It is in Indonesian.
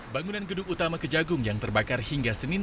bangunan gedung utama kejagung yang terbakar hingga senin